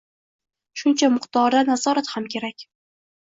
shuncha miqdorda... nazorat ham kerak.